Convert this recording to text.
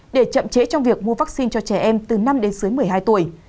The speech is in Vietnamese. để chậm chế trong việc mua vaccine cho trẻ em từ năm đến dưới một mươi hai tuổi